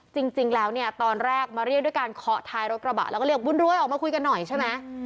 จริงแล้วเนี่ยตอนแรกมาเรียกด้วยการเคาะท้ายรถกระบะแล้วก็เรียกบุญรวยออกมาคุยกันหน่อยใช่ไหม